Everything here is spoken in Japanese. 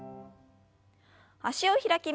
脚を開きます。